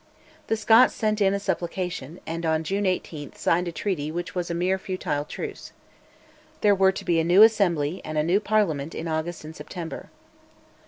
The Scots sent in "a supplication," and on June 18 signed a treaty which was a mere futile truce. There were to be a new Assembly, and a new Parliament in August and September.